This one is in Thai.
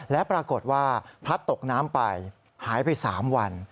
และปรากฏว่าพลัดตกน้ำไปหายไป๓วัน